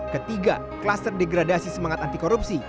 ketiga kluster degradasi semangat anti korupsi